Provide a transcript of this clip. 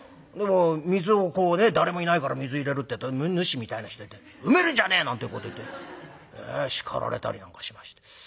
水をこうね誰もいないから水入れるってえと主みたいな人いて「埋めるんじゃねえ！」なんてこと言って叱られたりなんかしまして。